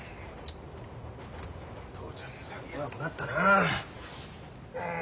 父ちゃんも酒弱くなったなあ。